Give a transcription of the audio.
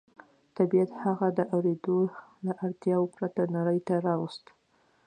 طبيعت هغه د اورېدو له وړتيا پرته نړۍ ته راووست.